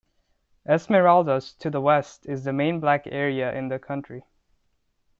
Esmeraldas, to the west, is the main black area in the country.